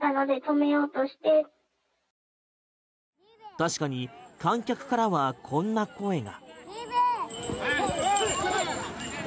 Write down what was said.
確かに観客からはこんな声が。